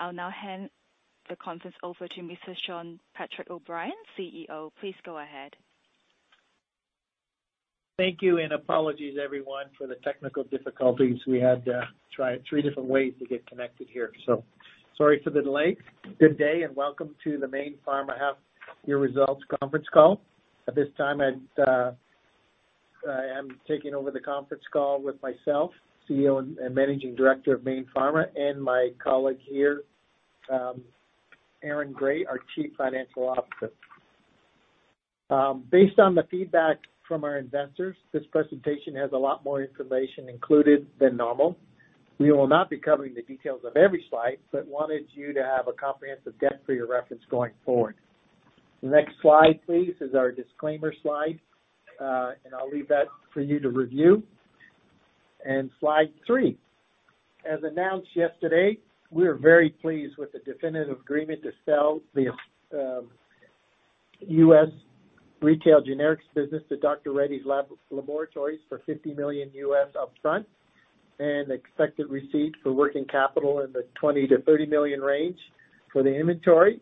I'll now hand the conference over to Mr. Shawn Patrick O'Brien, CEO. Please go ahead. Thank you. Apologies everyone for the technical difficulties. We had to try three different ways to get connected here. Sorry for the delay. Good day. Welcome to the Mayne Pharma half year results conference call. At this time, I am taking over the conference call with myself, CEO and Managing Director of Mayne Pharma, and my colleague here, Aaron Gray, our Chief Financial Officer. Based on the feedback from our investors, this presentation has a lot more information included than normal. We will not be covering the details of every slide. Wanted you to have a comprehensive depth for your reference going forward. The next slide, please, is our disclaimer slide. I'll leave that for you to review. Slide three. As announced yesterday, we are very pleased with the definitive agreement to sell the U.S retail generics business to Dr. Reddy's Laboratories for $50 million upfront and expected receipt for working capital in the $20 million-$30 million range for the inventory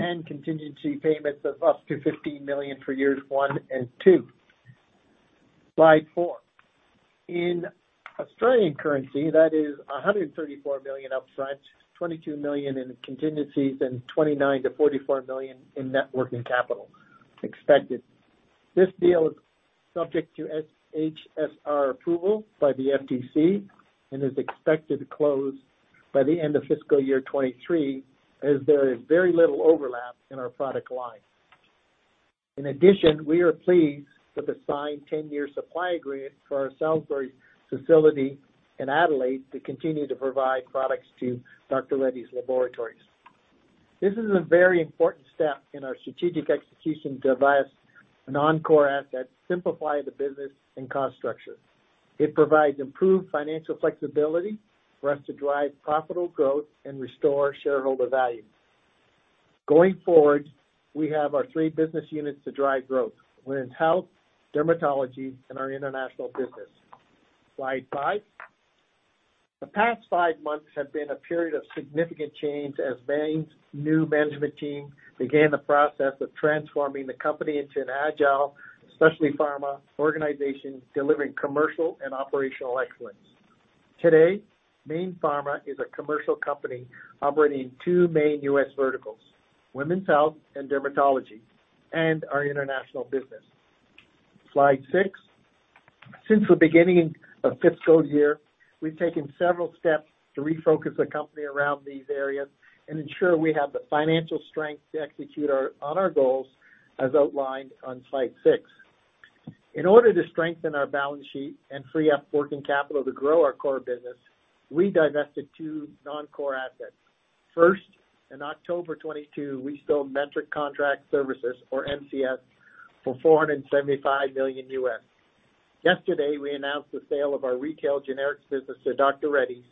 and contingency payments of up to $15 million for years one and two. Slide four. In Australian currency, that is 134 million upfront, 22 million in contingencies, and 29 million-44 million in net working capital expected. This deal is subject to HSR approval by the FTC and is expected to close by the end of fiscal year 2023, as there is very little overlap in our product line. In addition, we are pleased with the signed 10-year supply agreement for our Salisbury facility in Adelaide to continue to provide products to Dr. Reddy's Laboratories. This is a very important step in our strategic execution to divests non-core assets, simplify the business and cost structure. It provides improved financial flexibility for us to drive profitable growth and restore shareholder value. Going forward, we have our three business units to drive growth. Women's health, dermatology, and our international business. Slide five. The past five months have been a period of significant change as Mayne Pharma's new management team began the process of transforming the company into an agile, specialty pharma organization, delivering commercial and operational excellence. Today, Mayne Pharma is a commercial company operating two main U.S. verticals, women's health and dermatology, and our international business. Slide six. Since the beginning of fiscal year, we've taken several steps to refocus the company around these areas and ensure we have the financial strength to execute on our goals as outlined on slide six. In order to strengthen our balance sheet and free up working capital to grow our core business, we divested two non-core assets. First, in October 2022, we sold Metrics Contract Services or MCS for $475 million. Yesterday, we announced the sale of our retail generics business to Dr. Reddy's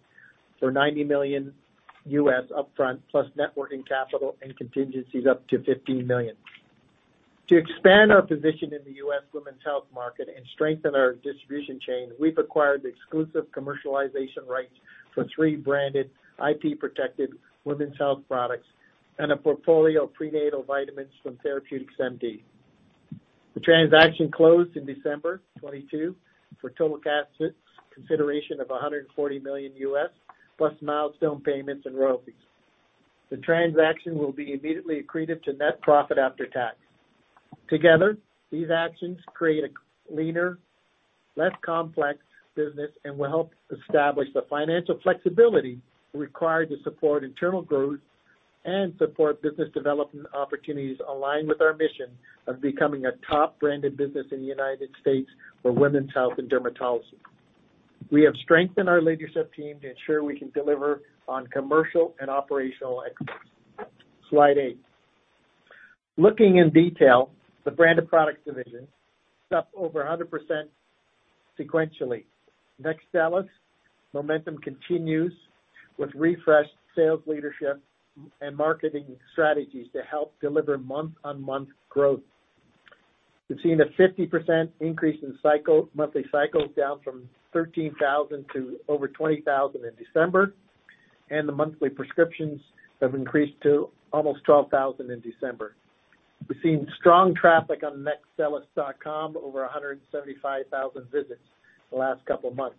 for $90 million upfront, plus net working capital and contingencies up to $15 million. To expand our position in the U.S. women's health market and strengthen our distribution chain, we've acquired the exclusive commercialization rights for three branded, IP-protected women's health products and a portfolio of prenatal vitamins from TherapeuticsMD. The transaction closed in December 2022 for total cash consideration of $140 million plus milestone payments and royalties. The transaction will be immediately accretive to net profit after tax. Together, these actions create a leaner, less complex business and will help establish the financial flexibility required to support internal growth and support business development opportunities aligned with our mission of becoming a top branded business in the United States for women's health and dermatology. We have strengthened our leadership team to ensure we can deliver on commercial and operational excellence. Slide 8. Looking in detail, the Branded Products Division is up over 100% sequentially. Nextstellis momentum continues with refreshed sales leadership and marketing strategies to help deliver month-on-month growth. We've seen a 50% increase in monthly cycles down from 13,000 to over 20,000 in December, and the monthly prescriptions have increased to almost 12,000 in December. We've seen strong traffic on nextstellis.com, over 175,000 visits the last couple of months.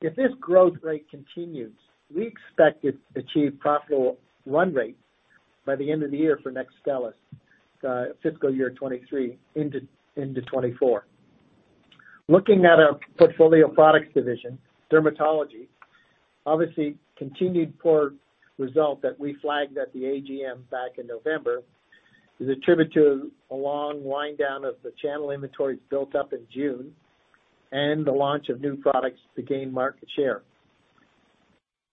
If this growth rate continues, we expect it to achieve profitable run rates by the end of the year for Nextstellis, fiscal year 2023 into 2024. Looking at our portfolio of products division, dermatology, obviously continued poor results that we flagged at the AGM back in November, is attributed to a long wind down of the channel inventories built up in June and the launch of new products to gain market share.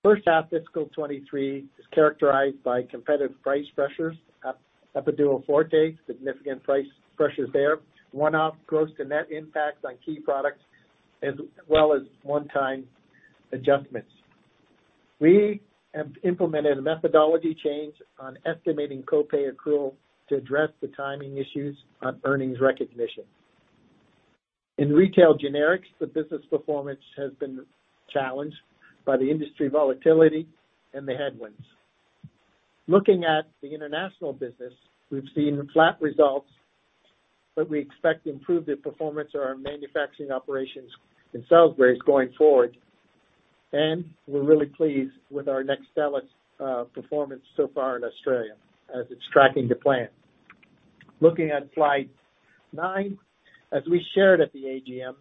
First half fiscal 2023 is characterized by competitive price pressures. Epiduo Forte, significant price pressures there. One-off gross and net impacts on key products as well as one-time adjustments. We have implemented a methodology change on estimating co-pay accrual to address the timing issues on earnings recognition. In retail generics, the business performance has been challenged by the industry volatility and the headwinds. Looking at the international business, we've seen flat results, but we expect improved performance of our manufacturing operations in Salisbury going forward. We're really pleased with our Nextstellis performance so far in Australia as it's tracking to plan. Looking at slide nine. As we shared at the AGM,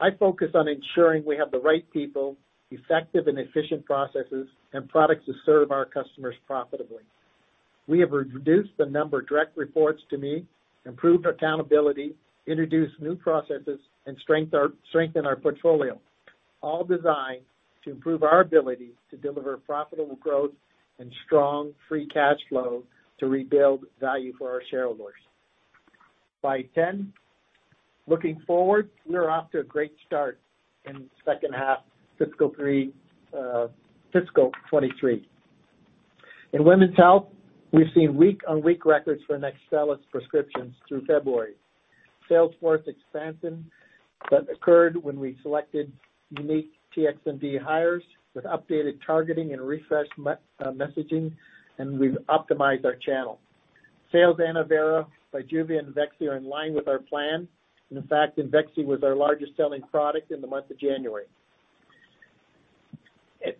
I focus on ensuring we have the right people, effective and efficient processes, and products that serve our customers profitably. We have reduced the number of direct reports to me, improved accountability, introduced new processes, and strengthened our portfolio, all designed to improve our ability to deliver profitable growth and strong free cash flow to rebuild value for our shareholders. Slide 10. Looking forward, we are off to a great start in the second half fiscal '23. In women's health, we've seen week-on-week records for Nextstellis prescriptions through February. Sales force expansion that occurred when we selected unique TXMD hires with updated targeting and refreshed messaging, we've optimized our channel. Sales in ANNOVERA, BIJUVA, and IMVEXXY are in line with our plan, in fact, IMVEXXY was our largest selling product in the month of January.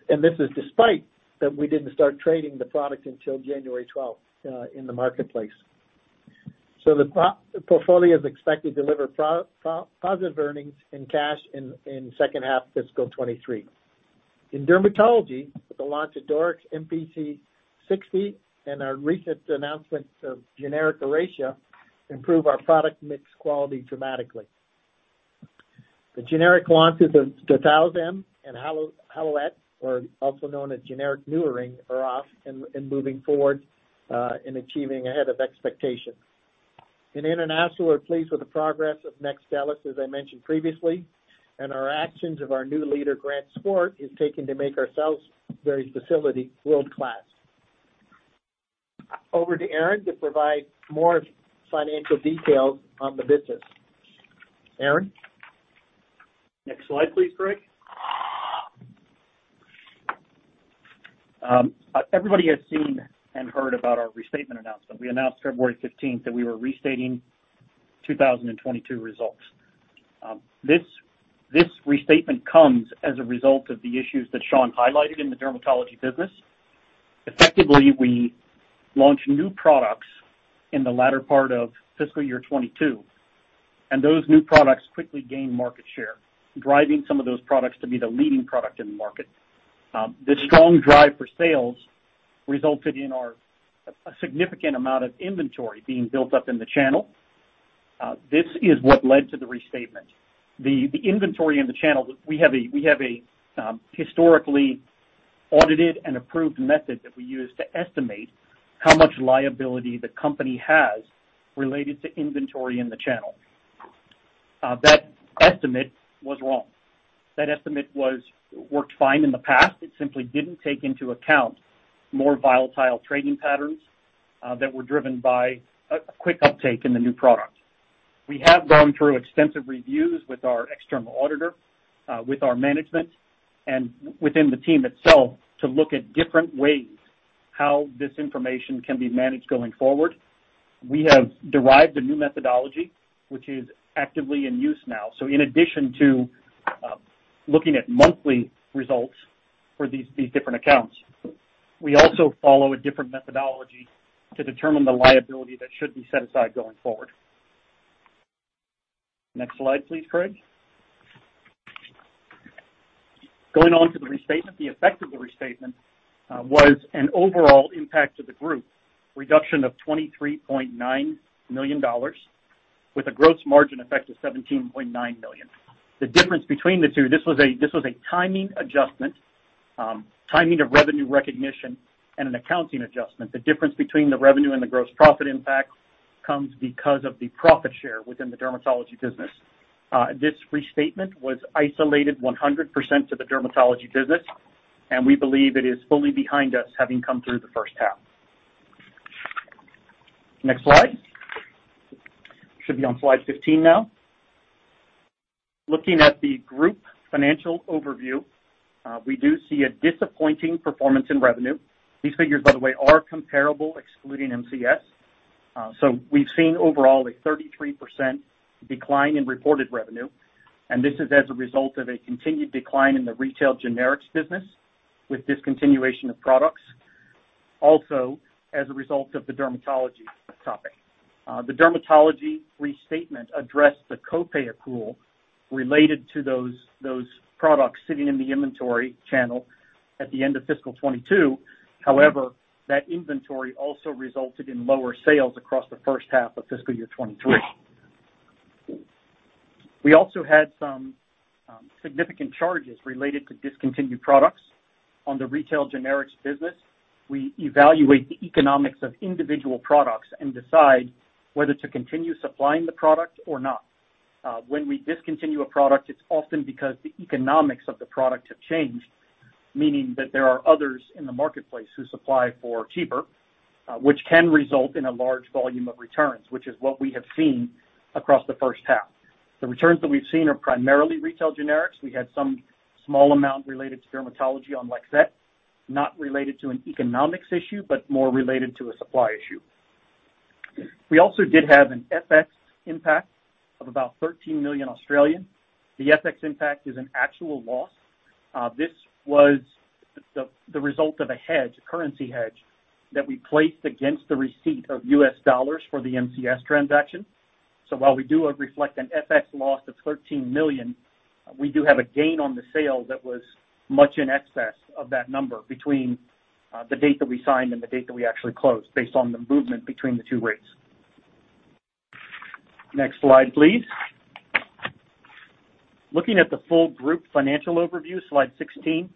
This is despite that we didn't start trading the product until January 12th in the marketplace. The portfolio is expected to deliver positive earnings and cash in second half fiscal 2023. In dermatology, with the launch of DORYX MPC 60 and our recent announcement of generic ORACEA improve our product mix quality dramatically. The generic launches of DITROPAN and HALOETTE or also known as generic NuvaRing are off and moving forward in achieving ahead of expectation. In international, we're pleased with the progress of Nextstellis, as I mentioned previously, and our actions of our new leader, Grant Swart, is taking to make our Salisbury facility world-class. Over to Aaron to provide more financial details on the business. Aaron? Next slide, please, Craig. Everybody has seen and heard about our restatement announcement. We announced February 15th that we were restating 2022 results. This restatement comes as a result of the issues that Shawn highlighted in the dermatology business. Effectively, we launched new products in the latter part of fiscal year 2022. Those new products quickly gained market share, driving some of those products to be the leading product in the market. The strong drive for sales resulted in a significant amount of inventory being built up in the channel. This is what led to the restatement. The inventory in the channel, we have a historically audited and approved method that we use to estimate how much liability the company has related to inventory in the channel. That estimate was wrong. That estimate worked fine in the past. It simply didn't take into account more volatile trading patterns that were driven by a quick uptake in the new product. We have gone through extensive reviews with our external auditor, with our management and within the team itself to look at different ways how this information can be managed going forward. We have derived a new methodology which is actively in use now. In addition to looking at monthly results for these different accounts, we also follow a different methodology to determine the liability that should be set aside going forward. Next slide, please, Craig. Going on to the restatement. The effect of the restatement was an overall impact to the group reduction of 23.9 million dollars with a gross margin effect of 17.9 million. The difference between the two, this was a timing adjustment, timing of revenue recognition and an accounting adjustment. The difference between the revenue and the gross profit impact comes because of the profit share within the dermatology business. This restatement was isolated 100% to the dermatology business, and we believe it is fully behind us having come through the first half. Next slide. Should be on slide 15 now. Looking at the group financial overview, we do see a disappointing performance in revenue. These figures, by the way, are comparable, excluding MCS. We've seen overall a 33% decline in reported revenue, and this is as a result of a continued decline in the retail generics business with discontinuation of products, also as a result of the dermatology topic. The dermatology restatement addressed the copay accrual related to those products sitting in the inventory channel at the end of fiscal 2022. That inventory also resulted in lower sales across the first half of fiscal year 2023. We also had some significant charges related to discontinued products on the Retail Generics business. We evaluate the economics of individual products and decide whether to continue supplying the product or not. When we discontinue a product, it's often because the economics of the product have changed. Meaning that there are others in the marketplace who supply for cheaper, which can result in a large volume of returns, which is what we have seen across the first half. The returns that we've seen are primarily Retail Generics. We had some small amount related to dermatology on LEXETTE, not related to an economics issue, but more related to a supply issue. We also did have an FX impact of about 13 million. The FX impact is an actual loss. This was the result of a hedge, a currency hedge that we placed against the receipt of US dollars for the MCS transaction. While we do reflect an FX loss of 13 million, we do have a gain on the sale that was much in excess of that number between the date that we signed and the date that we actually closed based on the movement between the two rates. Next slide, please. Looking at the full group financial overview, slide 16.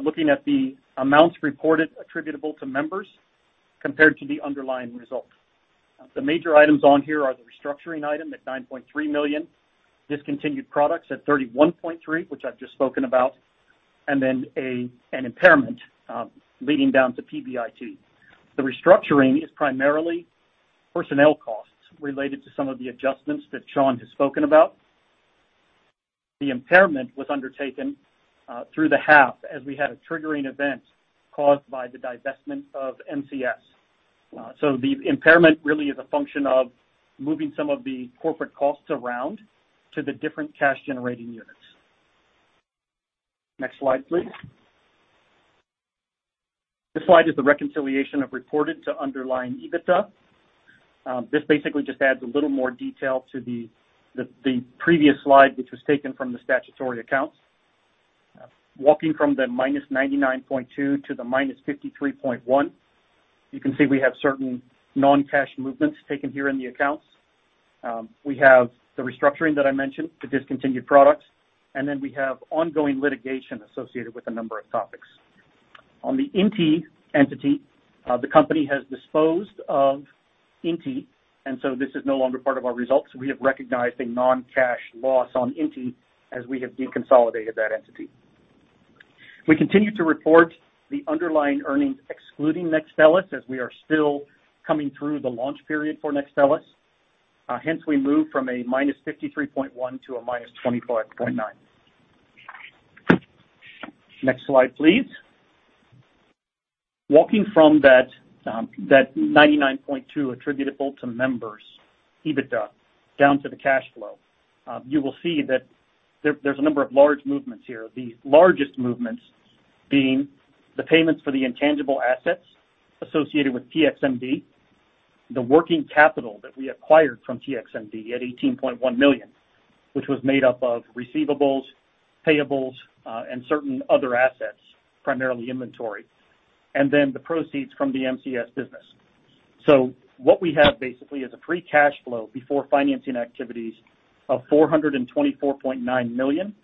Looking at the amounts reported attributable to members compared to the underlying result. The major items on here are the restructuring item at 9.3 million, discontinued products at 31.3 million, which I've just spoken about, an impairment leading down to PBIT. The restructuring is primarily personnel costs related to some of the adjustments that Sean has spoken about. The impairment was undertaken through the half as we had a triggering event caused by the divestment of MCS. The impairment really is a function of moving some of the corporate costs around to the different cash-generating units. Next slide, please. This slide is the reconciliation of reported to underlying EBITDA. This basically just adds a little more detail to the previous slide, which was taken from the statutory accounts. Walking from the -99.2 to the -53.1, you can see we have certain non-cash movements taken here in the accounts. We have the restructuring that I mentioned, the discontinued products, then we have ongoing litigation associated with a number of topics. On the INTI entity, the company has disposed of INTI, so this is no longer part of our results. We have recognized a non-cash loss on INTI as we have deconsolidated that entity. We continue to report the underlying earnings excluding Nextstellis as we are still coming through the launch period for Nextstellis. We move from a -53.1 to a -24.9. Next slide, please. Walking from that 99.2 attributable to members EBITDA down to the cash flow, you will see that there's a number of large movements here. The largest movements being the payments for the intangible assets associated with TXMD, the working capital that we acquired from TXMD at 18.1 million, which was made up of receivables, payables, and certain other assets, primarily inventory, and then the proceeds from the MCS business. What we have basically is a free cash flow before financing activities of 424.9 million.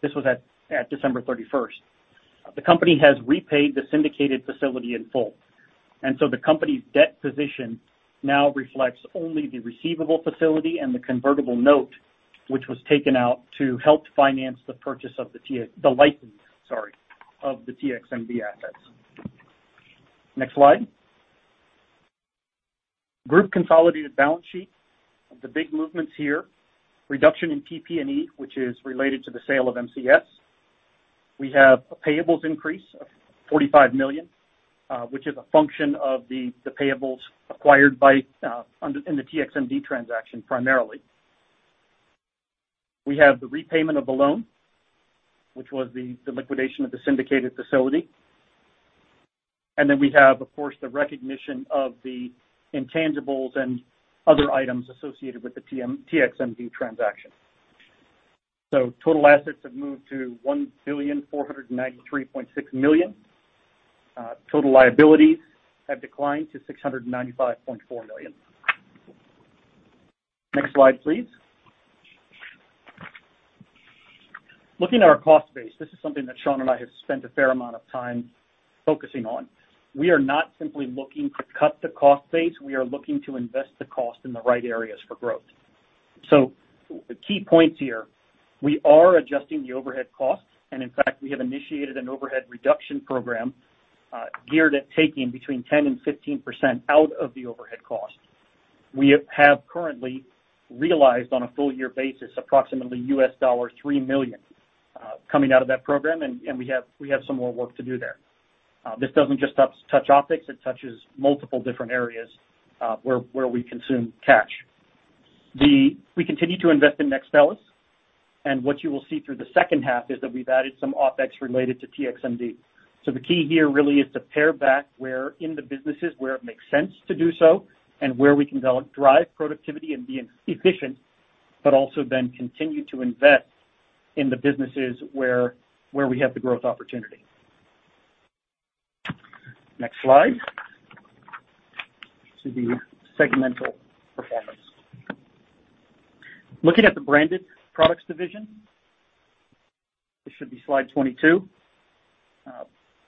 This was at December 31st. The company has repaid the syndicated facility in full, and so the company's debt position now reflects only the receivable facility and the convertible note, which was taken out to help finance the purchase of the license, sorry, of the TXMD assets. Next slide. Group consolidated balance sheet. The big movements here, reduction in PP&E, which is related to the sale of MCS. We have a payables increase of 45 million, which is a function of the payables acquired in the TXMD transaction, primarily. We have the repayment of the loan, which was the liquidation of the syndicated facility. Then we have, of course, the recognition of the intangibles and other items associated with the TXMD transaction. Total assets have moved to 1,493.6 million. Total liabilities have declined to 695.4 million. Next slide, please. Looking at our cost base, this is something that Sean and I have spent a fair amount of time focusing on. We are not simply looking to cut the cost base, we are looking to invest the cost in the right areas for growth. The key points here, we are adjusting the overhead costs. In fact, we have initiated an overhead reduction program, geared at taking between 10% and 15% out of the overhead cost. We have currently realized on a full year basis approximately $3 million, coming out of that program, and we have some more work to do there. This doesn't just touch OpEx, it touches multiple different areas, where we consume cash. We continue to invest in Nextstellis, and what you will see through the second half is that we've added some OpEx related to TXMD. The key here really is to pare back where in the businesses where it makes sense to do so and where we can go drive productivity and be efficient, but also continue to invest in the businesses where we have the growth opportunity. Next slide. To the segmental performance. Looking at the Branded Products division, this should be slide 22.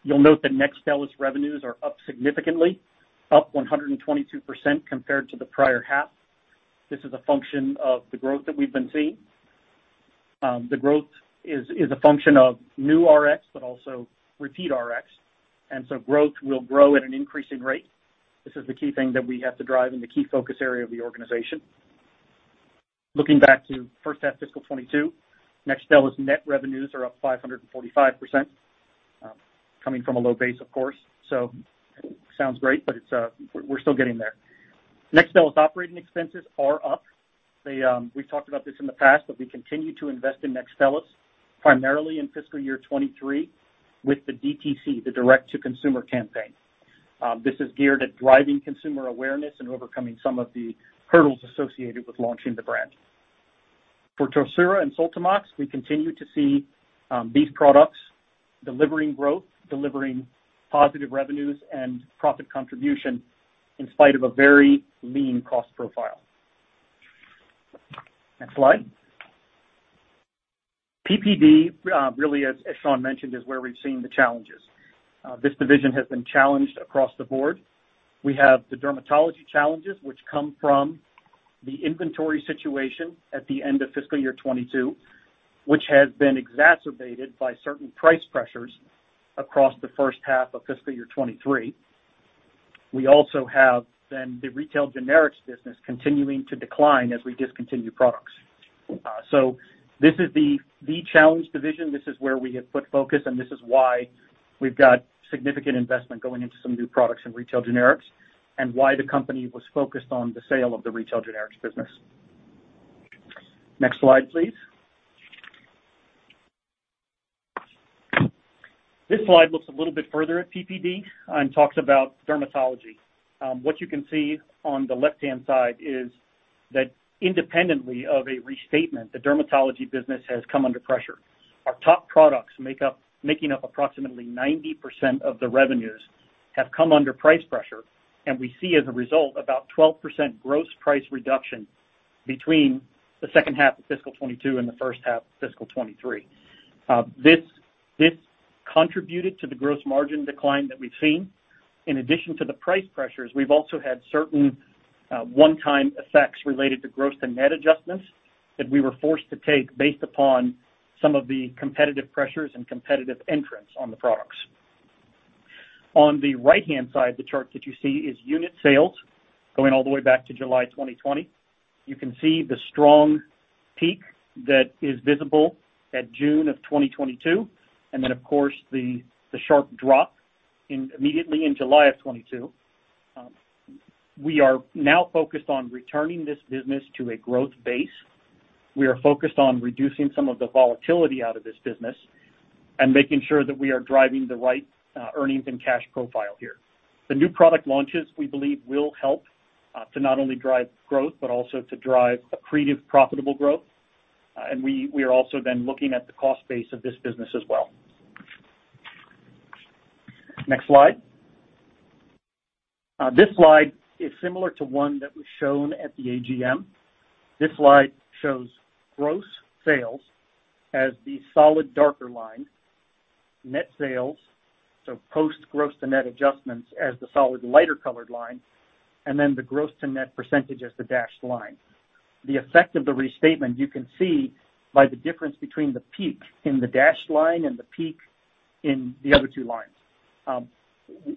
You'll note that Nextstellis revenues are up significantly, up 122% compared to the prior half. This is a function of the growth that we've been seeing. The growth is a function of new RX, but also repeat RX. Growth will grow at an increasing rate. This is the key thing that we have to drive and the key focus area of the organization. Looking back to first half fiscal 2022, Nextstellis net revenues are up 545%, coming from a low base, of course. We're still getting there. Nextstellis OpEx are up. We've talked about this in the past, but we continue to invest in Nextstellis primarily in fiscal year 2023 with the DTC, the direct-to-consumer campaign. This is geared at driving consumer awareness and overcoming some of the hurdles associated with launching the brand. For TOLSURA and SOLTAMOX, we continue to see these products delivering growth, delivering positive revenues and profit contribution in spite of a very lean cost profile. Next slide. PPD really, as Sean mentioned, is where we've seen the challenges. This division has been challenged across the board. The dermatology challenges which come from the inventory situation at the end of fiscal year 22, which has been exacerbated by certain price pressures across the first half of fiscal year 23. The retail generics business continuing to decline as we discontinue products. This is the challenged division. This is where we have put focus, and this is why we've got significant investment going into some new products in retail generics and why the company was focused on the sale of the retail generics business. Next slide, please. This slide looks a little bit further at PPD and talks about dermatology. What you can see on the left-hand side is that independently of a restatement, the dermatology business has come under pressure. Our top products making up approximately 90% of the revenues have come under price pressure. We see as a result about 12% gross price reduction between the second half of fiscal 2022 and the first half of fiscal 2023. This contributed to the gross margin decline that we've seen. In addition to the price pressures, we've also had certain one-time effects related to gross to net adjustments that we were forced to take based upon some of the competitive pressures and competitive entrants on the products. On the right-hand side, the chart that you see is unit sales going all the way back to July 2020. You can see the strong peak that is visible at June of 2022. Of course, the sharp drop immediately in July of 2022. We are now focused on returning this business to a growth base. We are focused on reducing some of the volatility out of this business and making sure that we are driving the right earnings and cash profile here. The new product launches, we believe, will help to not only drive growth, but also to drive accretive profitable growth. We are also then looking at the cost base of this business as well. Next slide. This slide is similar to one that was shown at the AGM. This slide shows gross sales as the solid darker line. Net sales, so post gross to net adjustments as the solid lighter colored line, and then the gross to net percentage as the dashed line. The effect of the restatement, you can see by the difference between the peak in the dashed line and the peak in the other two lines.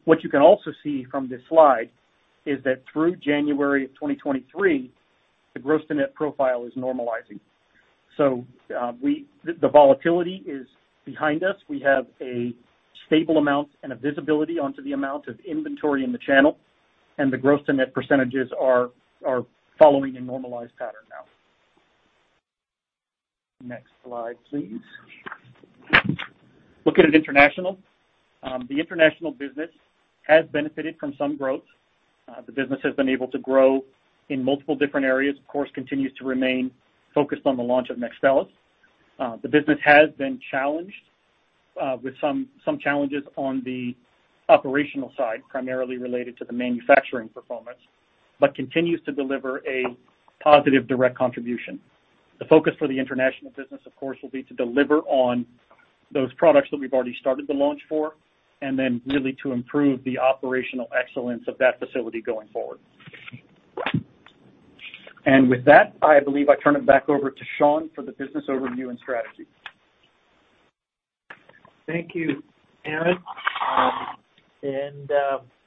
What you can also see from this slide is that through January of 2023, the gross to net profile is normalizing. The volatility is behind us. We have a stable amount and a visibility onto the amount of inventory in the channel, and the gross to net percentages are following a normalized pattern now. Next slide, please. Looking at international. The international business has benefited from some growth. The business has been able to grow in multiple different areas. Of course, continues to remain focused on the launch of Nextstellis. The business has been challenged with some challenges on the operational side, primarily related to the manufacturing performance, but continues to deliver a positive direct contribution. The focus for the international business, of course, will be to deliver on those products that we've already started the launch for and then really to improve the operational excellence of that facility going forward. With that, I believe I turn it back over to Shawn for the business overview and strategy. Thank you, Aaron.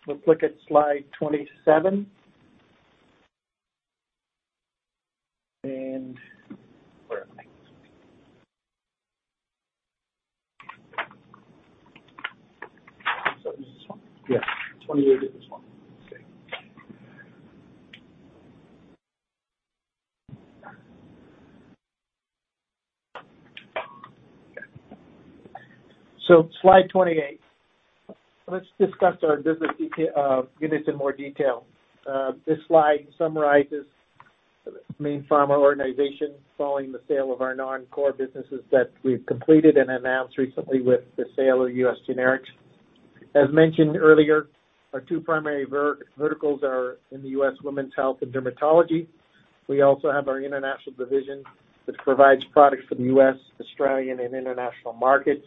Let's look at slide 27. Where am I? It's this one? Yeah. 28 is this one. Okay. Slide 28. Let's discuss our business, get into more detail. This slide summarizes the Mayne Pharma organization following the sale of our non-core businesses that we've completed and announced recently with the sale of U.S Generics. As mentioned earlier, our two primary verticals are in the U.S women's health and dermatology. We also have our international division that provides products for the U.S, Australian, and international markets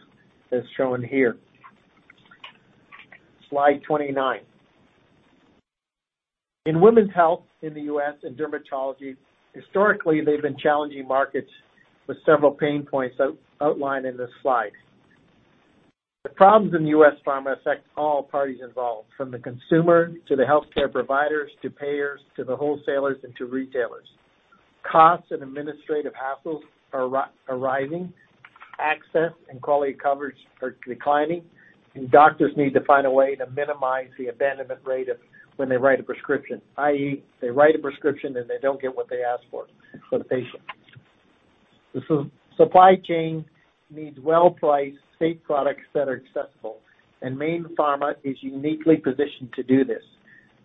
as shown here. Slide 29. In women's health in the U.S and dermatology, historically, they've been challenging markets with several pain points outlined in this slide. The problems in the U.S pharma affect all parties involved, from the consumer to the healthcare providers to payers to the wholesalers and to retailers. Costs and administrative hassles are arising. Access and quality of coverage are declining, doctors need to find a way to minimize the abandonment rate of when they write a prescription, i.e., they write a prescription, they don't get what they ask for the patient. The supply chain needs well-priced, safe products that are successful, Mayne Pharma is uniquely positioned to do this.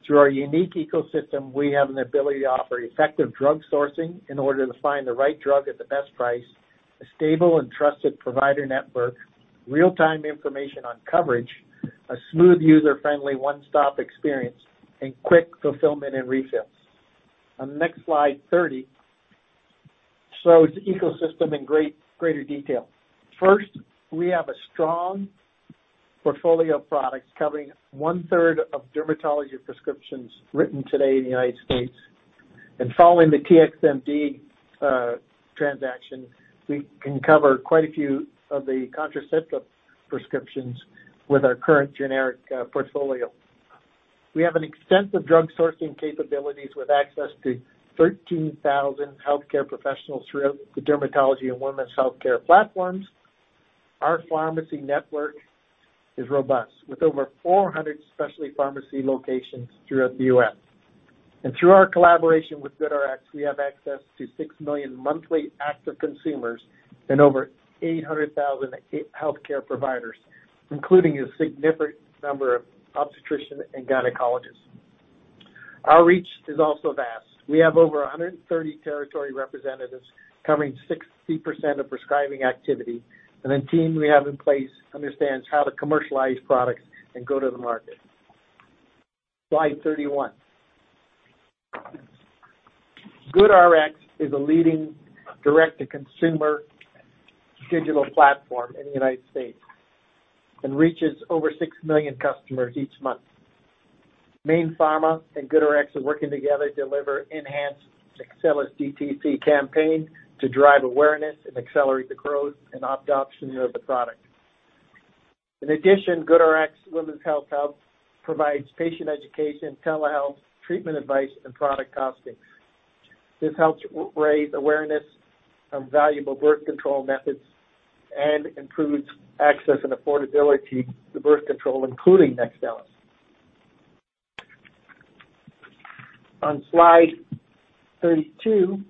Through our unique ecosystem, we have an ability to offer effective drug sourcing in order to find the right drug at the best price, a stable and trusted provider network, real-time information on coverage, a smooth, user-friendly one-stop experience, and quick fulfillment and refills. On the next slide, 30, shows ecosystem in greater detail. First, we have a strong portfolio of products covering one-third of dermatology prescriptions written today in the United States. Following the TXMD transaction, we can cover quite a few of the contraceptive prescriptions with our current generic portfolio. We have an extensive drug sourcing capabilities with access to 13,000 healthcare professionals throughout the dermatology and women's healthcare platforms. Our pharmacy network is robust, with over 400 specialty pharmacy locations throughout the U.S. Through our collaboration with GoodRx, we have access to 6 million monthly active consumers and over 800,000 healthcare providers, including a significant number of obstetricians and gynecologists. Our reach is also vast. We have over 130 territory representatives covering 60% of prescribing activity, and the team we have in place understands how to commercialize products and go to the market. Slide 31. GoodRx is a leading direct-to-consumer digital platform in the United States and reaches over 6 million customers each month. Mayne Pharma and GoodRx are working together to deliver enhanced Nextstellis DTC campaign to drive awareness and accelerate the growth and adoption of the product. In addition, GoodRx Women's Health Center provides patient education, telehealth, treatment advice, and product costings. This helps raise awareness of valuable birth control methods and improves access and affordability to birth control, including Nextstellis. On slide 32,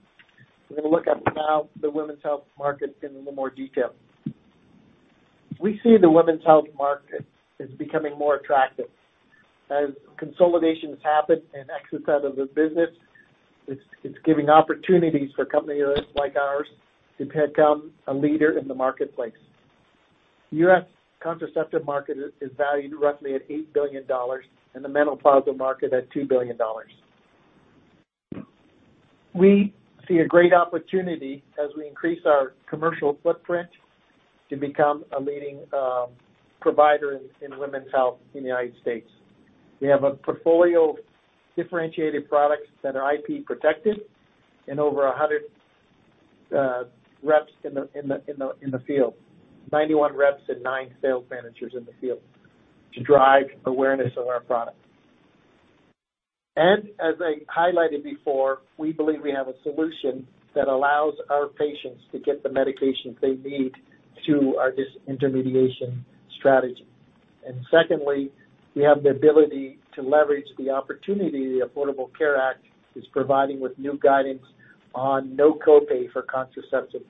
we're gonna look at now the women's health market in a little more detail. We see the women's health market is becoming more attractive. As consolidations happen and exit out of the business, it's giving opportunities for companies like ours to become a leader in the marketplace. U.S. contraceptive market is valued roughly at $8 billion and the menopausal market at $2 billion. We see a great opportunity as we increase our commercial footprint to become a leading provider in women's health in the United States. We have a portfolio of differentiated products that are IP protected and over 100 reps in the field. 91 reps and 9 sales managers in the field to drive awareness of our products. As I highlighted before, we believe we have a solution that allows our patients to get the medications they need through our disintermediation strategy. Secondly, we have the ability to leverage the opportunity the Affordable Care Act is providing with new guidance on no copay for contraceptive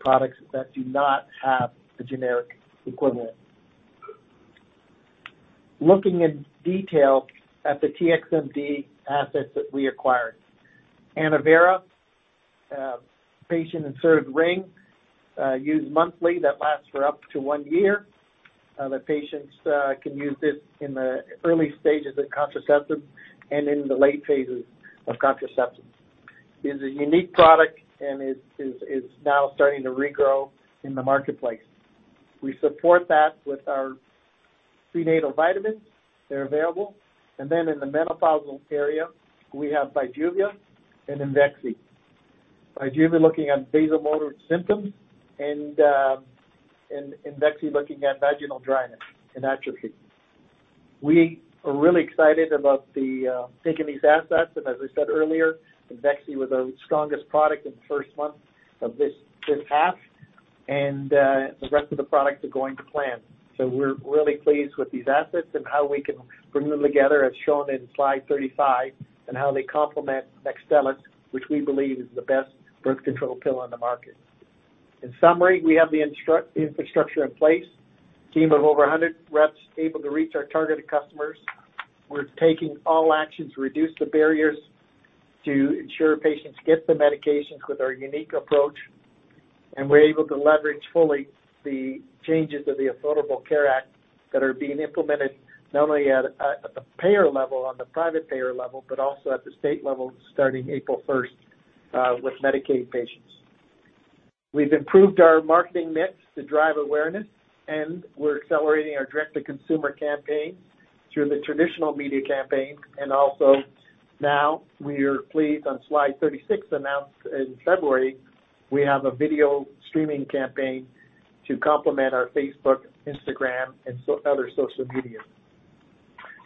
products that do not have the generic equivalent. Looking in detail at the TXMD assets that we acquired. ANNOVERA, patient-inserted ring, used monthly that lasts for up to 1 year. The patients can use this in the early stages of contraceptives and in the late phases of contraceptives. It's a unique product, it is now starting to regrow in the marketplace. We support that with our prenatal vitamins that are available. In the menopausal area, we have BIJUVA and IMVEXXY. BIJUVA looking at vasomotor symptoms, IMVEXXY looking at vaginal dryness and atrophy. We are really excited about taking these assets, as I said earlier, IMVEXXY was our strongest product in the first month of this half. The rest of the products are going to plan. We're really pleased with these assets and how we can bring them together, as shown in slide 35, and how they complement Nextstellis, which we believe is the best birth control pill on the market. In summary, we have the infrastructure in place, team of over 100 reps able to reach our targeted customers. We're taking all actions to reduce the barriers to ensure patients get the medications with our unique approach. We're able to leverage fully the changes of the Affordable Care Act that are being implemented, not only at the payer level, on the private payer level, but also at the state level starting April 1st with Medicaid patients. We've improved our marketing mix to drive awareness, and we're accelerating our direct-to-consumer campaign through the traditional media campaign. Now we are pleased on slide 36 announced in February, we have a video streaming campaign to complement our Facebook, Instagram, and other social media.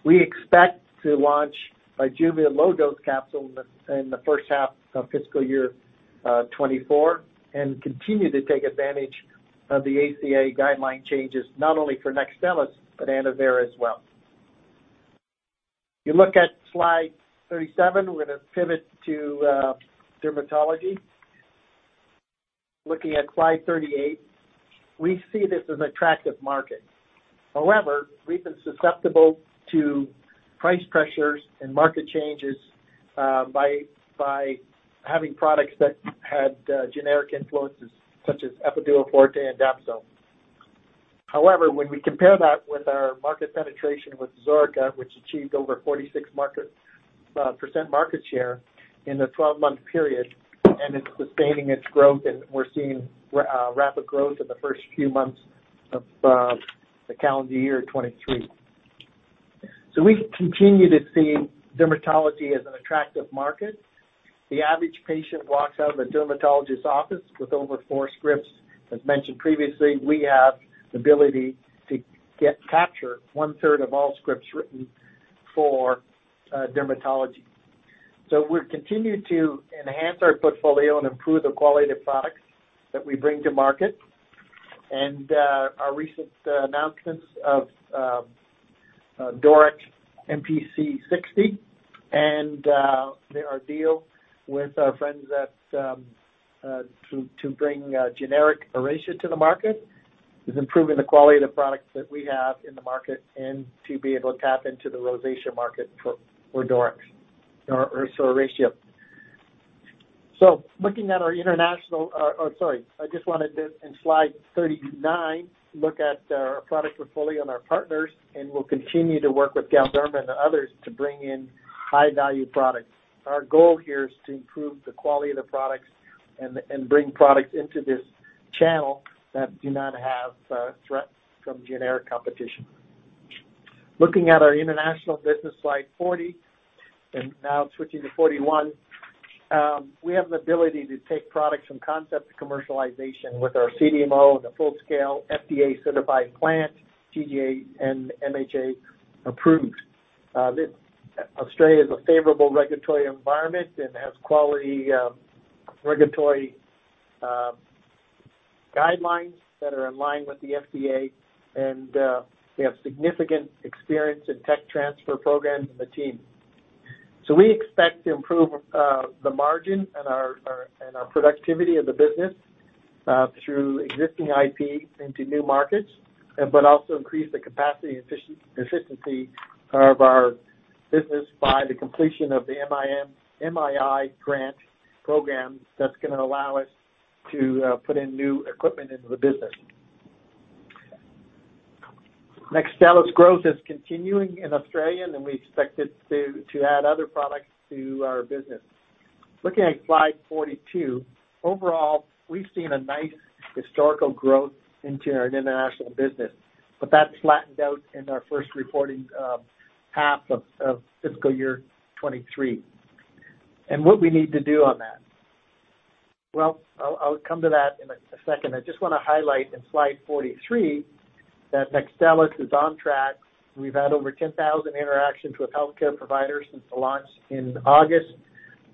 We expect to launch a BIJUVA low dose capsule in the first half of fiscal year 2024 and continue to take advantage of the ACA guideline changes, not only for Nextstellis but ANNOVERA as well. You look at slide 37, we're gonna pivot to dermatology. Looking at slide 38, we see this as attractive market. However, we've been susceptible to price pressures and market changes by having products that had generic influences such as Epiduo Forte and Dapsone. However, when we compare that with our market penetration with Absorica, which achieved over 46% market share in the 12-month period, and it's sustaining its growth, and we're seeing rapid growth in the first few months of the calendar year 2023. We continue to see dermatology as an attractive market. The average patient walks out of a dermatologist office with over 4 scripts. As mentioned previously, we have the ability to capture 1/3 of all scripts written for dermatology. We continue to enhance our portfolio and improve the quality of products that we bring to market. Our recent announcements of DORYX MPC 60 and our deal with our friends to bring generic ORACEA to the market, is improving the quality of the products that we have in the market and to be able to tap into the rosacea market for DORYX or ORACEA. Looking at our international or sorry, I just wanted to, in slide 39, look at our product portfolio and our partners, and we'll continue to work with Galderma and others to bring in high-value products. Our goal here is to improve the quality of the products and bring products into this channel that do not have threat from generic competition. Looking at our international business, slide 40, and now switching to 41, we have the ability to take products from concept to commercialization with our CDMO and a full-scale FDA-certified plant, TGA and MHRA approved. Australia is a favorable regulatory environment and has quality regulatory guidelines that are in line with the FDA, and we have significant experience in tech transfer programs in the team. We expect to improve the margin and our productivity of the business through existing IP into new markets, but also increase the capacity and efficiency of our business by the completion of the MII grant program that's gonna allow us to put in new equipment into the business. Nextstellis growth is continuing in Australia, and we expect it to add other products to our business. Looking at slide 42, overall, we've seen a nice historical growth into our international business, but that's flattened out in our first reporting half of fiscal year 2023. What we need to do on that? Well, I'll come to that in a second. I just wanna highlight in slide 43 that Nextstellis is on track. We've had over 10,000 interactions with healthcare providers since the launch in August,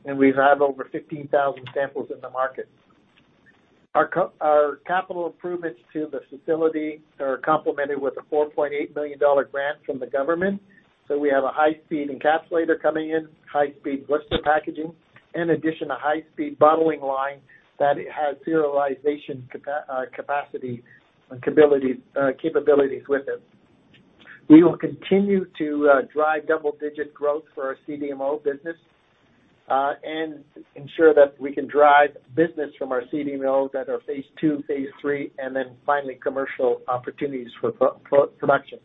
and we've had over 15,000 samples in the market. Our capital improvements to the facility are complemented with a $4.8 million grant from the government. We have a high-speed encapsulator coming in, high-speed blister packaging, in addition to high-speed bottling line that has serialization capacity and capability, capabilities with it. We will continue to drive double-digit growth for our CDMO business and ensure that we can drive business from our CDMO that are phase two, phase three, and then finally commercial opportunities for production.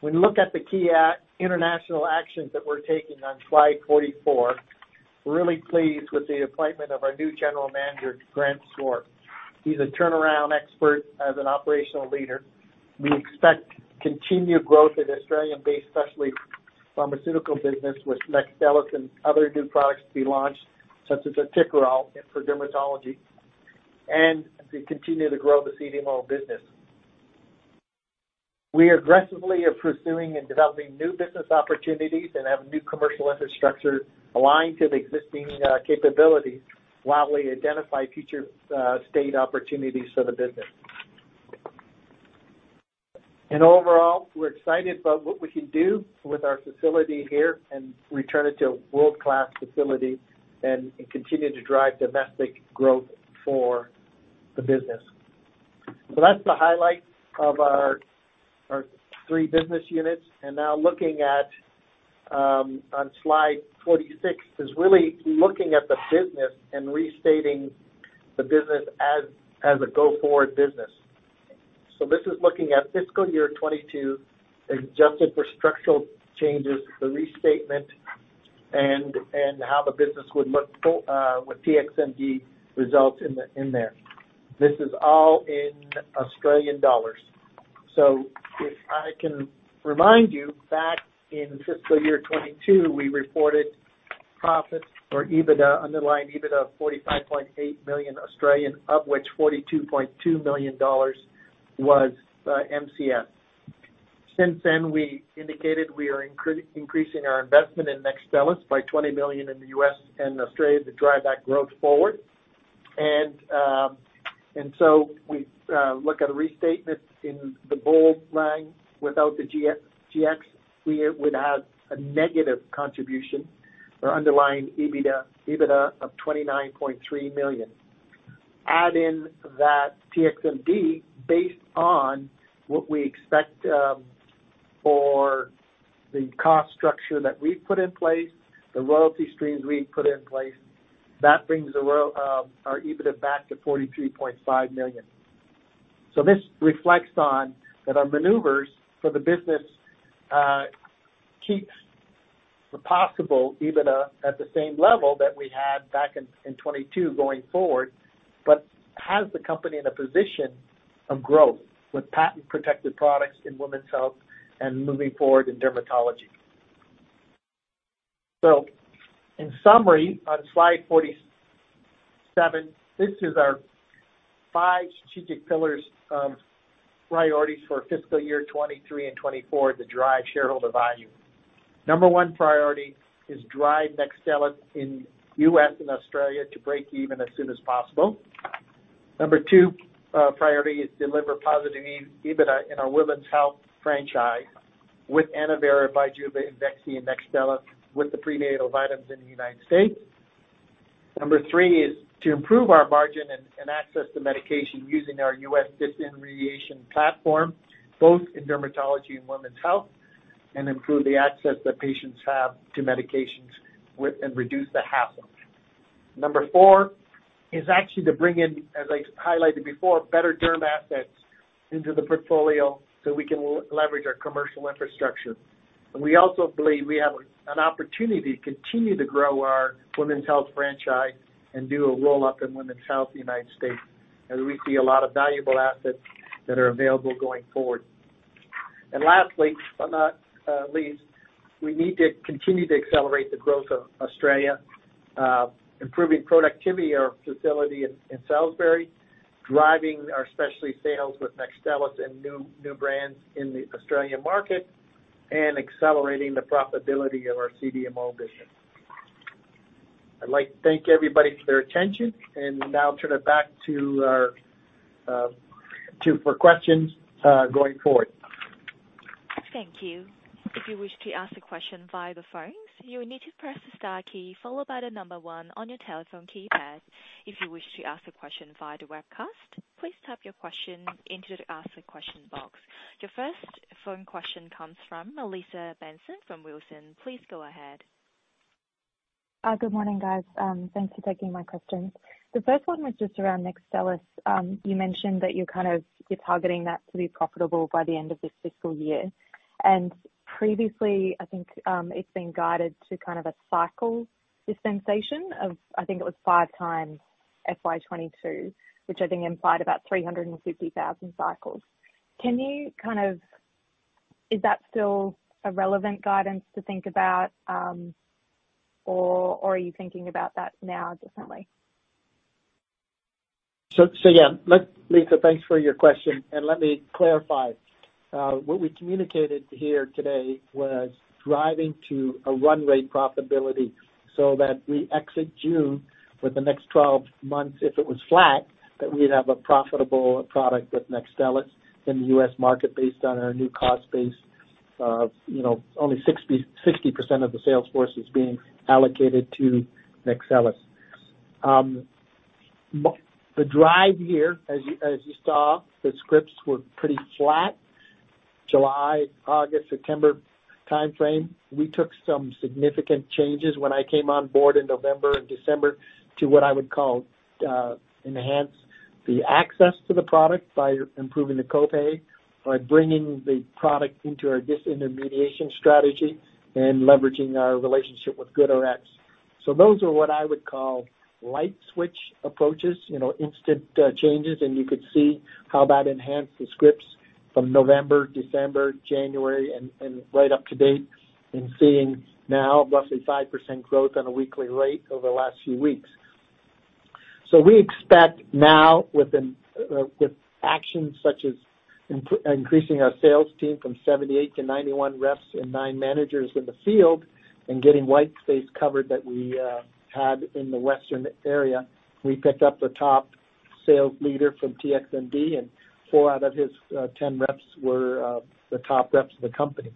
When you look at the key international actions that we're taking on slide 44, really pleased with the appointment of our new general manager, Grant Swart. He's a turnaround expert as an operational leader. We expect continued growth in Australian-based specialty pharmaceutical business with Nextstellis and other new products to be launched, such as Ortikerol and for dermatology, and to continue to grow the CDMO business. We aggressively are pursuing and developing new business opportunities and have new commercial infrastructure aligned to the existing capabilities while we identify future state opportunities for the business. Overall, we're excited about what we can do with our facility here and return it to a world-class facility and continue to drive domestic growth for the business. That's the highlight of our three business units. Now looking at on slide 46 is really looking at the business and restating the business as a go-forward business. This is looking at fiscal year 2022, adjusted for structural changes, the restatement and how the business would look full with TXMD results in there. This is all in Australian dollars. If I can remind you back in fiscal year 2022, we reported profits or EBITDA, underlying EBITDA of 45.8 million Australian dollars, of which 42.2 million dollars was MCS. Since then, we indicated we are increasing our investment in Nextstellis by 20 million in the U.S. and Australia to drive that growth forward. We look at a restatement in the bold line. Without the Gx, we would have a negative contribution or underlying EBITDA of 29.3 million. Add in that TXMD based on what we expect, for the cost structure that we've put in place, the royalty streams we've put in place, that brings our EBITDA back to $43.5 million. This reflects on that our maneuvers for the business keeps the possible EBITDA at the same level that we had back in 2022 going forward, but has the company in a position of growth with patent-protected products in women's health and moving forward in dermatology. In summary, on slide 47, this is our five strategic pillars of priorities for fiscal year 2023 and 2024 to drive shareholder value. Number one priority is drive Nextstellis in U.S and Australia to break even as soon as possible. Number two, priority is deliver positive EBITDA in our women's health franchise with ANNOVERA, BIJUVA, IMVEXXY, and Nextstellis with the prenatal vitamins in the United States. Number three is to improve our margin and access to medication using our US disintermediation platform, both in dermatology and women's health, and improve the access that patients have to medications with and reduce the hassle. Number four is actually to bring in, as I highlighted before, better derm assets into the portfolio so we can leverage our commercial infrastructure. We also believe we have an opportunity to continue to grow our women's health franchise and do a roll-up in women's health in the United States, and we see a lot of valuable assets that are available going forward. Lastly, but not least, we need to continue to accelerate the growth of Australia, improving productivity of our facility in Salisbury, driving our specialty sales with Nextstellis and new brands in the Australian market, and accelerating the profitability of our CDMO business. I'd like to thank everybody for their attention and now turn it back to our for questions going forward. Thank you. If you wish to ask a question via the phones, you will need to press the star key followed by the one on your telephone keypad. If you wish to ask a question via the webcast, please type your question into the ask a question box. Your first phone question comes from Melissa from Wilsons. Please go ahead. Good morning, guys. Thanks for taking my questions. The first one was just around Nextstellis. You mentioned that you're kind of, you're targeting that to be profitable by the end of this fiscal year. Previously, I think, it's been guided to kind of a cycle dispensation of, I think, it was 5 times FY 2022, which I think implied about 350,000 cycles. Is that still a relevant guidance to think about, or are you thinking about that now differently? Yeah. Lisa, thanks for your question, and let me clarify. What we communicated here today was driving to a run rate profitability so that we exit June with the next 12 months, if it was flat, that we'd have a profitable product with Nextstellis in the U.S. market based on our new cost base of, you know, only 60% of the sales force is being allocated to Nextstellis. The drive here as you saw, the scripts were pretty flat. July, August, September timeframe, we took some significant changes when I came on board in November and December to what I would call, enhance the access to the product by improving the copay, by bringing the product into our disintermediation strategy and leveraging our relationship with GoodRx. Those are what I would call light switch approaches, you know, instant changes, and you could see how that enhanced the scripts from November, December, January, and right up to date, and seeing now roughly 5% growth on a weekly rate over the last few weeks. We expect now with actions such as increasing our sales team from 78 to 91 reps and nine managers in the field and getting white space covered that we had in the Western area. We picked up the top sales leader from TXMD. 4 out of his 10 reps were the top reps of the company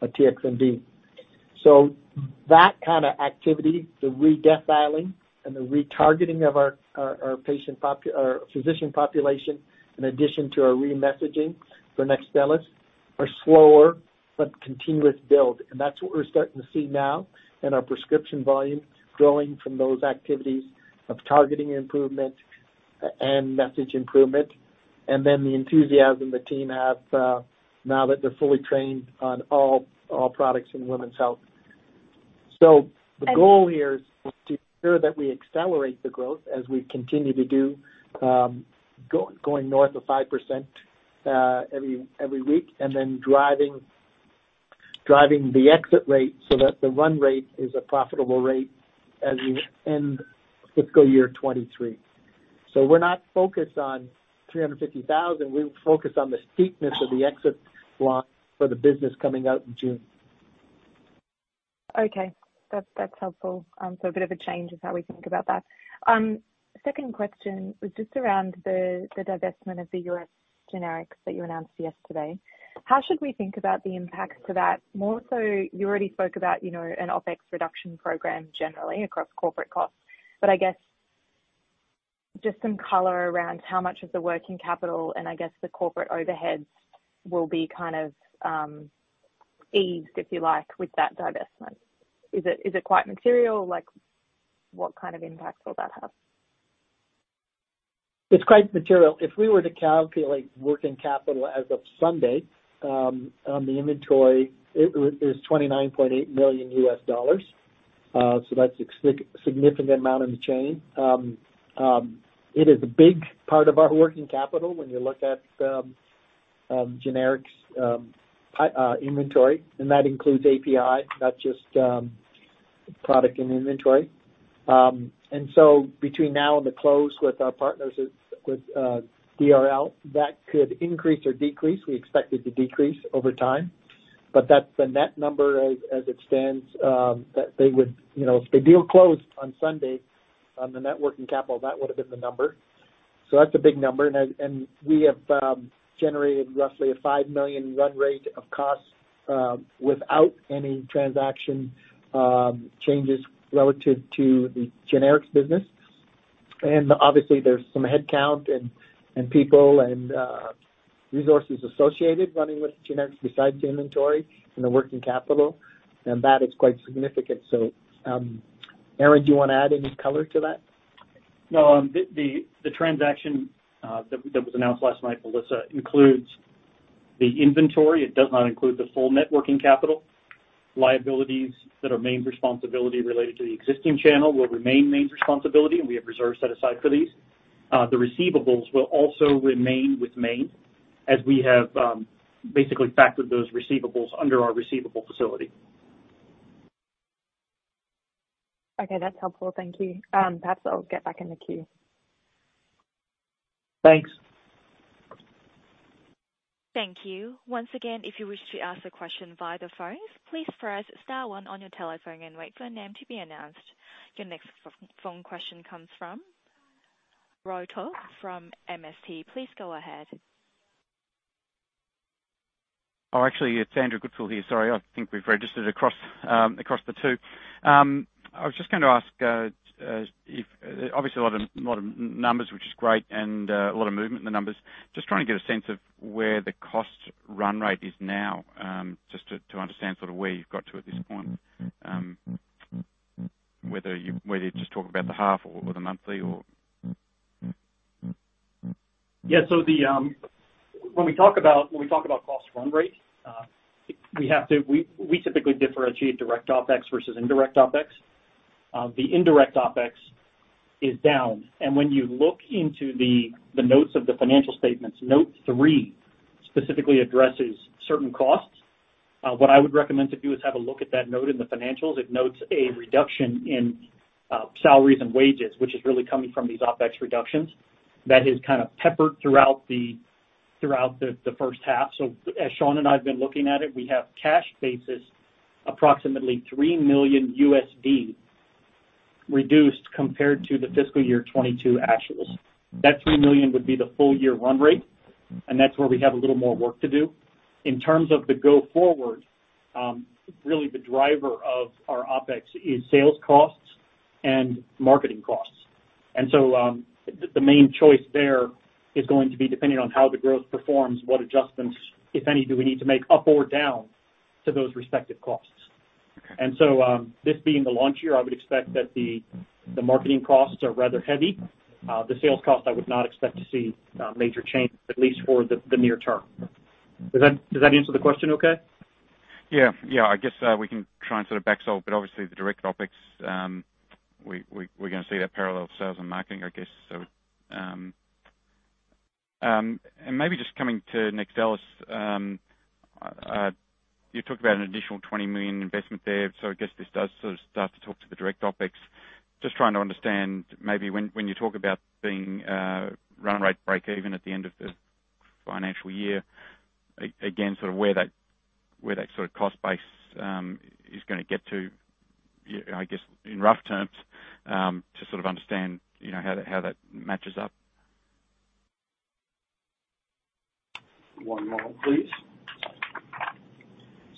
at TXMD. That kinda activity, the re-defiling and the retargeting of our physician population in addition to our re-messaging for Nextstellis are slower but continuous build, and that's what we're starting to see now in our prescription volume growing from those activities of targeting improvement and message improvement, and then the enthusiasm the team has now that they're fully trained on all products in women's health. And- The goal here is to ensure that we accelerate the growth as we continue to do, going north of 5% every week and driving the exit rate so that the run rate is a profitable rate as we end fiscal year 23. We're not focused on 350,000. We're focused on the steepness of the exit line for the business coming out in June. Okay. That's helpful. A bit of a change is how we think about that. Second question was just around the divestment of the US generics that you announced yesterday. How should we think about the impact to that? More so you already spoke about, you know, an OpEx reduction program generally across corporate costs. I guess just some color around how much of the working capital and I guess the corporate overheads will be kind of, eased, if you like, with that divestment. Is it quite material? Like, what kind of impact will that have? It's quite material. If we were to calculate working capital as of Sunday, on the inventory, it is $29.8 million. That's a significant amount in the chain. It is a big part of our working capital when you look at generics inventory, and that includes API, not just product and inventory. Between now and the close with our partners with DRL, that could increase or decrease. We expect it to decrease over time, but that's the net number as it stands, that they would, you know, if the deal closed on Sunday on the net working capital, that would have been the number. That's a big number. We have generated roughly a $5 million run rate of costs without any transaction changes relative to the generics business. Obviously there's some headcount and people and resources associated running with generics besides the inventory and the working capital, and that is quite significant. Aaron, do you wanna add any color to that? No. The transaction that was announced last night, Melissa, includes the inventory. It does not include the full net working capital. Liabilities that are Mayne's responsibility related to the existing channel will remain Mayne's responsibility, and we have reserves set aside for these. The receivables will also remain with Mayne as we have basically factored those receivables under our receivable facility. Okay, that's helpful. Thank you. Perhaps I'll get back in the queue. Thanks. Thank you. Once again, if you wish to ask a question via the phone, please press star one on your telephone and wait for your name to be announced. Your next phone question comes from Rotok from MST. Please go ahead. Actually, it's Andrew Goodfield here. Sorry. I think we've registered across across the two. I was just gonna ask if. Obviously a lot of a lot of numbers, which is great, and a lot of movement in the numbers. Just trying to get a sense of where the cost run rate is now, just to understand sort of where you've got to at this point, whether you just talk about the half or the monthly or? When we talk about cost run rate, we typically differentiate direct OpEx versus indirect OpEx. The indirect OpEx is down. When you look into the notes of the financial statements, note three specifically addresses certain costs. What I would recommend to do is have a look at that note in the financials. It notes a reduction in salaries and wages, which is really coming from these OpEx reductions that is kind of peppered throughout the first half. As Shawn and I have been looking at it, we have cash basis, approximately $3 million USD reduced compared to the fiscal year 2022 actuals. That $3 million would be the full year run rate, that's where we have a little more work to do. In terms of the go forward, really the driver of our OpEx is sales costs and marketing costs. The main choice there is going to be depending on how the growth performs, what adjustments, if any, do we need to make up or down to those respective costs. Okay. This being the launch year, I would expect that the marketing costs are rather heavy. The sales cost, I would not expect to see major changes, at least for the near term. Does that answer the question okay? Yeah. Yeah. I guess, we can try and sort of back solve, but obviously the direct OpEx, we're gonna see that parallel sales and marketing, I guess, so. Maybe just coming to Nextstellis, you talked about an additional 20 million investment there, so I guess this does sort of start to talk to the direct OpEx. Just trying to understand maybe when you talk about being run rate break even at the end of the financial year, again, sort of where that sort of cost base is gonna get to, I guess, in rough terms, to sort of understand, you know, how that matches up. One more, please.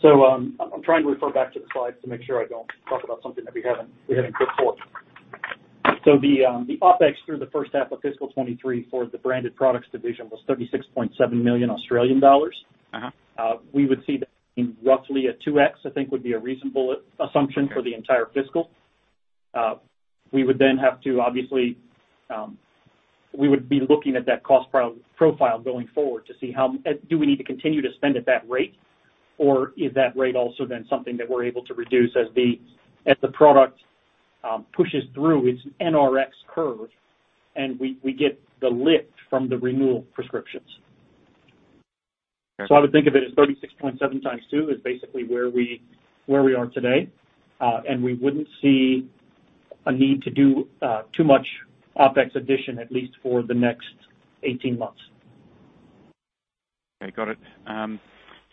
I'm trying to refer back to the slides to make sure I don't talk about something that we haven't put forth. The OpEx through the first half of fiscal 2023 for the Branded Products Division was 36.7 million Australian dollars. We would see that in roughly a 2x, I think would be a reasonable assumption for the entire fiscal. We would then have to obviously, we would be looking at that cost pro-profile going forward to see how do we need to continue to spend at that rate, or is that rate also then something that we're able to reduce as the product pushes through its NRX curve and we get the lift from the renewal prescriptions. Okay. I would think of it as 36.7 times 2 is basically where we are today. We wouldn't see a need to do too much OpEx addition, at least for the next 18 months. Okay, got it.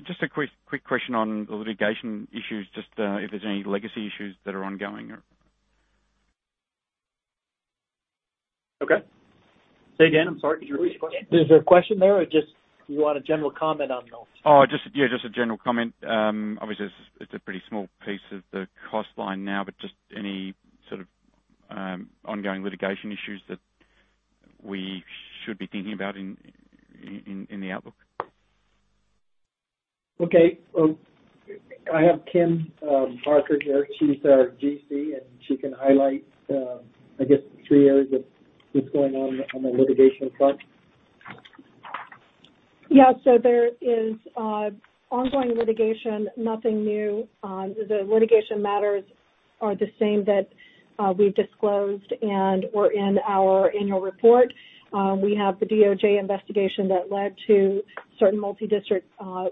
Just a quick question on the litigation issues. Just if there's any legacy issues that are ongoing or... Okay. Say, Dan, I'm sorry. Did you? Yeah. Is there a question there or just you want a general comment on those? Just a general comment. Obviously it's a pretty small piece of the cost line now, but just any sort of ongoing litigation issues that we should be thinking about in the outlook? Well, I have Kim Parker here. She's our GC, and she can highlight, I guess three areas of what's going on the litigation front. Yeah. There is ongoing litigation, nothing new. The litigation matters are the same that we've disclosed and were in our annual report. We have the DOJ investigation that led to certain multidistrict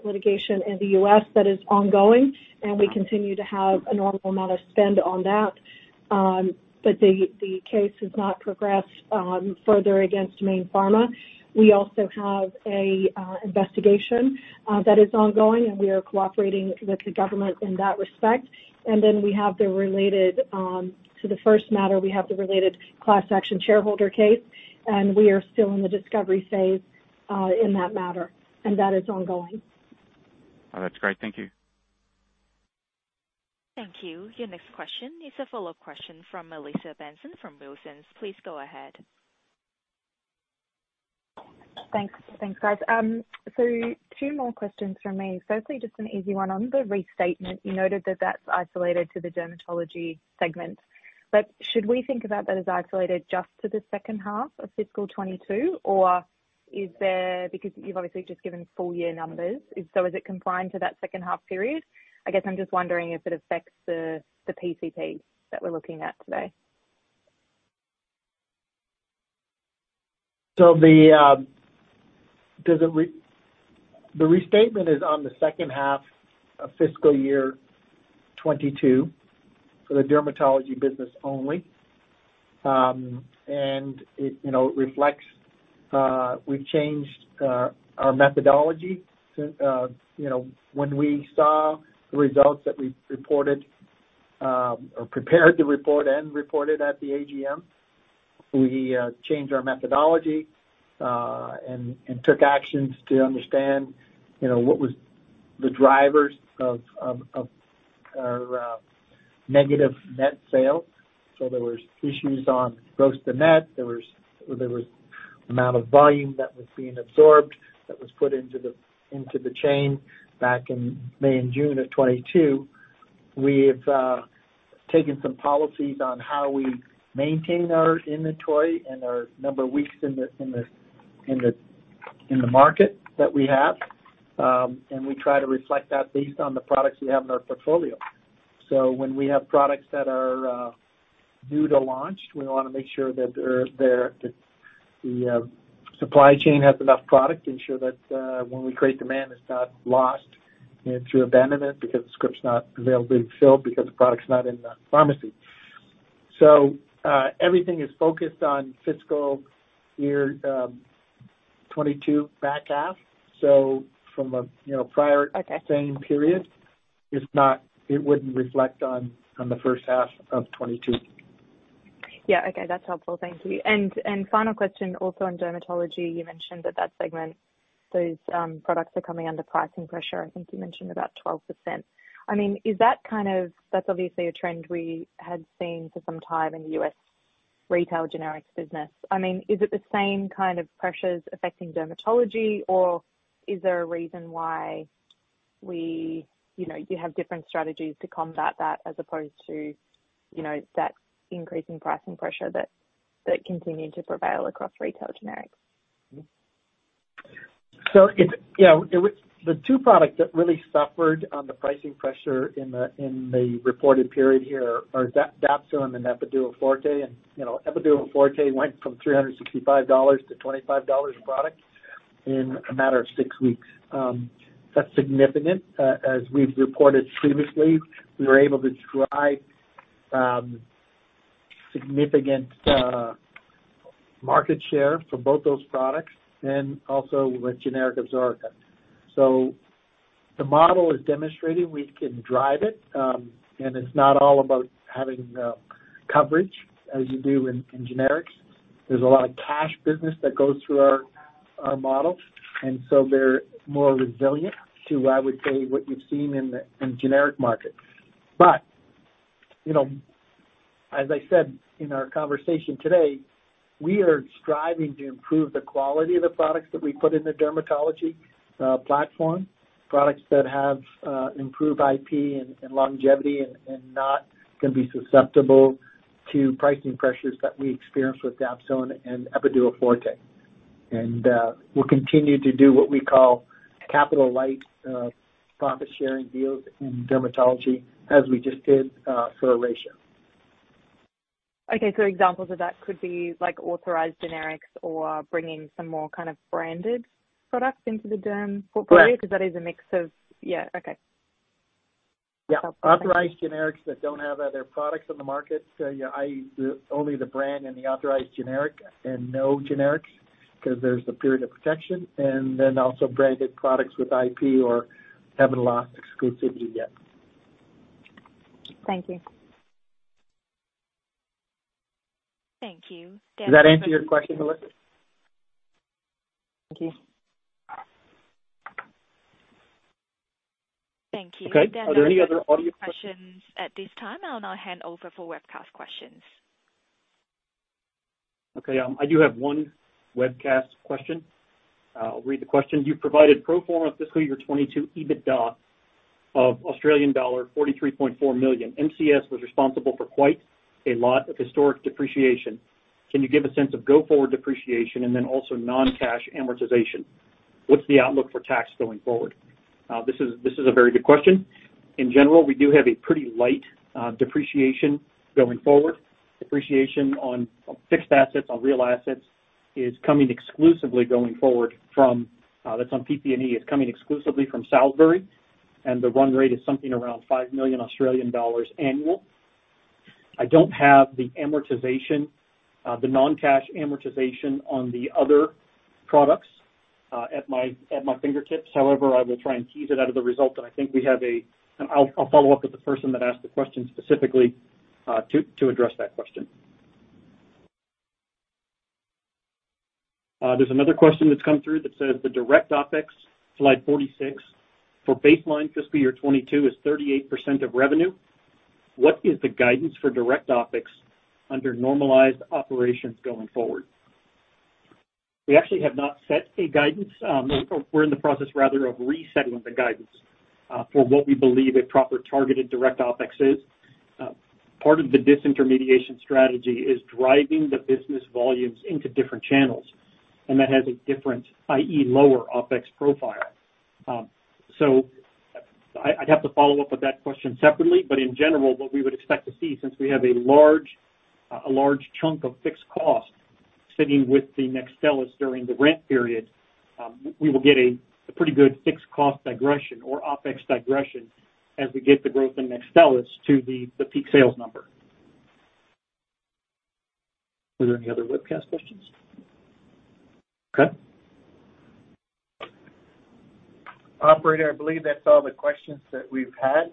litigation in the U.S. that is ongoing, and we continue to have a normal amount of spend on that. The case has not progressed further against Mayne Pharma. We also have an investigation that is ongoing, and we are cooperating with the government in that respect. We have the related, to the first matter, we have the related class action shareholder case, and we are still in the discovery phase in that matter. That is ongoing. Oh, that's great. Thank you. Thank you. Your next question is a follow-up question from Melissa Benson from Wilsons. Please go ahead. Thanks. Thanks, guys. Two more questions from me. Firstly, just an easy one. On the restatement, you noted that that's isolated to the Dermatology segment. Should we think about that as isolated just to the second half of fiscal 2022? Or is there... You've obviously just given full year numbers. Is it confined to that second half period? I guess I'm just wondering if it affects the PCPs that we're looking at today. The restatement is on the second half of fiscal year 2022 for the Dermatology business only. It, you know, reflects we've changed our methodology. You know, when we saw the results that we reported, or prepared to report and reported at the AGM, we changed our methodology and took actions to understand, you know, what was the drivers of our negative net sales. There was issues on gross to net. There was amount of volume that was being absorbed that was put into the chain back in May and June of 2022. We've taken some policies on how we maintain our inventory and our number of weeks in the market that we have. We try to reflect that based on the products we have in our portfolio. When we have products that are new to launch, we wanna make sure that they're the supply chain has enough product to ensure that when we create demand, it's not lost, you know, through abandonment because the script's not available to be filled because the product's not in the pharmacy. Everything is focused on fiscal year 2022 back half. From a, you know, prior- Okay. same period, it wouldn't reflect on the first half of 2022. Yeah. Okay. That's helpful. Thank you. Final question, also on Dermatology, you mentioned that that segment, those products are coming under pricing pressure. I think you mentioned about 12%. Is that kind of... That's obviously a trend we had seen for some time in the US retail generics business. Is it the same kind of pressures affecting Dermatology, or is there a reason why we, you know, you have different strategies to combat that as opposed to, you know, that increasing pricing pressure that continue to prevail across retail generics? It's, you know, the two products that really suffered on the pricing pressure in the reported period here are Dapsone and Epiduo Forte. You know, Epiduo Forte went from $365 to $25 a product in a matter of six weeks. That's significant. As we've reported previously, we were able to drive significant market share for both those products and also with generic ABSORICA. The model is demonstrated. We can drive it, and it's not all about having coverage as you do in generics. There's a lot of cash business that goes through Our models, and so they're more resilient to, I would say, what you've seen in the generic markets. you know, as I said in our conversation today, we are striving to improve the quality of the products that we put in the dermatology platform, products that have improved IP and longevity and not gonna be susceptible to pricing pressures that we experience with Dapsone and Epiduo Forte. we'll continue to do what we call capital light profit-sharing deals in dermatology as we just did for Arestea. Examples of that could be like authorized generics or bringing some more kind of branded products into the derm portfolio... Right. Because that is a mix of... Yeah, okay. Yeah. Authorized generics that don't have other products on the market. Yeah, the only the brand and the authorized generic and no generics because there's a period of protection, and then also branded products with IP or haven't lost exclusivity yet. Thank you. Thank you. Does that answer your question, Melissa? Thank you. Thank you. Okay. Are there any other audio questions? At this time, I'll now hand over for webcast questions. Okay. I do have one webcast question. I'll read the question. You provided pro forma fiscal year 22 EBITDA of Australian dollar 43.4 million. MCS was responsible for quite a lot of historic depreciation. Can you give a sense of go-forward depreciation and then also non-cash amortization? What's the outlook for tax going forward? This is a very good question. In general, we do have a pretty light depreciation going forward. Depreciation on fixed assets, on real assets is coming exclusively going forward from, that's on PP&E, it's coming exclusively from Salisbury, and the run rate is something around 5 million Australian dollars annual. I don't have the amortization, the non-cash amortization on the other products, at my fingertips. However, I will try and tease it out of the result. I think we have a... I'll follow up with the person that asked the question specifically to address that question. There's another question that's come through that says the direct OpEx, slide 46, for baseline fiscal year 22 is 38% of revenue. What is the guidance for direct OpEx under normalized operations going forward? We actually have not set a guidance. We're in the process rather of resettling the guidance for what we believe a proper targeted direct OpEx is. Part of the disintermediation strategy is driving the business volumes into different channels, and that has a different, i.e., lower OpEx profile. I'd have to follow up with that question separately. In general, what we would expect to see since we have a large chunk of fixed cost sitting with the Nextstellis during the rent period, we will get a pretty good fixed cost digression or OpEx digression as we get the growth in Nextstellis to the peak sales number. Are there any other webcast questions? Okay. Operator, I believe that's all the questions that we've had.